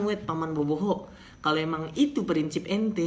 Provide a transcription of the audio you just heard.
wait paman boboho kalau emang itu prinsip ente